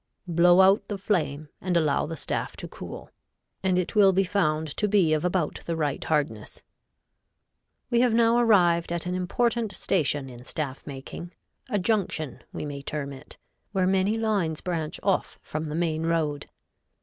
Blow out the flame and allow the staff to cool, and it will be found to be of about the right hardness. [Illustration: Fig. 3.] We have now arrived at an important station in staff making, a junction, we may term it, where many lines branch off from the main road.